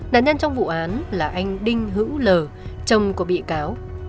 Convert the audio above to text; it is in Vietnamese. nạn nhân trong vụ án là anh đinh hữu lù chồng của bị cáo